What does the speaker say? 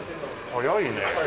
早いね。